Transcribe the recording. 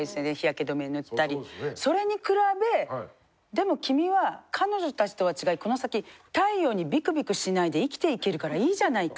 それに比べ「でも君は彼女たちとは違いこの先太陽にビクビクしないで生きていけるからいいじゃないか。